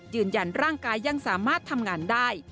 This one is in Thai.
ยืนยันร่างกายยังสามารถทำงานได้